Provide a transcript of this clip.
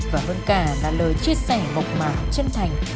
và hơn cả là lời chia sẻ mộc mạc chân thành